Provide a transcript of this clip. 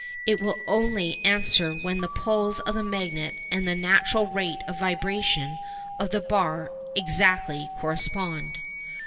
It will only answer when the pulls of the magnet and the natural rate of vibration of the bar exactly correspond.